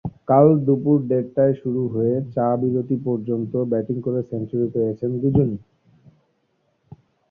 কাল দুপুর দেড়টায় শুরু হয়ে চা-বিরতি পর্যন্ত ব্যাটিং করে সেঞ্চুরি পেয়েছেন দুজনই।